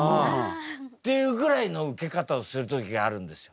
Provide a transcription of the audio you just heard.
っていうぐらいのウケ方をする時があるんですよ。